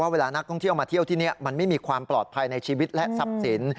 เวลานักท่องเที่ยวมาเที่ยวที่นี่มันไม่มีความปลอดภัยในชีวิตและทรัพย์สิน